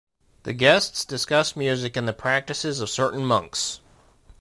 The guests discuss music and the practices of certain monks.